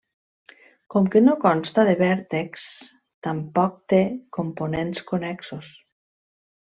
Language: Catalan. Com que no consta de vèrtexs, tampoc té components connexos.